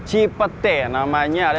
cipete namanya ada